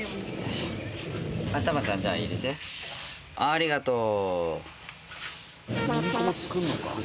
ありがとう。